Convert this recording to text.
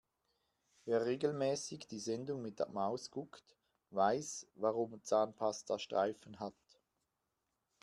Wer regelmäßig die Sendung mit der Maus guckt, weiß warum Zahnpasta Streifen hat.